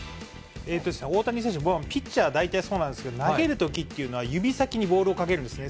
大谷選手、ピッチャーは大体そうなんですけど、投げるときというのは、指先にボールをかけるんですね。